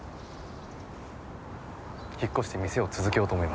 引っ越して店を続けようと思います。